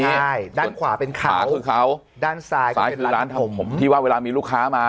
ใช่ด้านขวาเป็นขาขวาคือเขาด้านซ้ายซ้ายคือร้านทำผมที่ว่าเวลามีลูกค้ามา